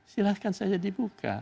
silahkan saja dibuka